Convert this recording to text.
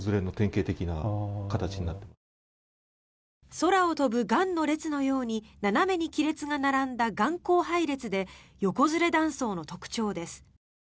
空を飛ぶガンの列のように斜めに亀裂が並んだ雁行配列で横ずれ断層の特徴です。